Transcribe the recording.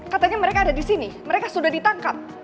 katanya mereka ada disini mereka sudah ditangkap